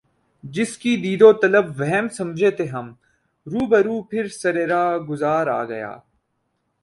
جس کی دید و طلب وہم سمجھے تھے ہم رو بہ رو پھر سر رہ گزار آ گیا